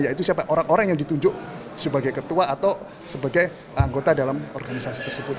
yaitu siapa orang orang yang ditunjuk sebagai ketua atau sebagai anggota dalam organisasi tersebut